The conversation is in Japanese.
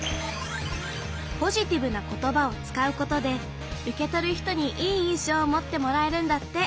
ポジティブなことばを使うことで受け取る人にいい印象を持ってもらえるんだって。